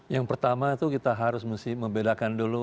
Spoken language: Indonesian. yang pertama itu kita harus mesti membedakan dulu